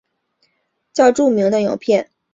较著名的影片系列为都市传说系列。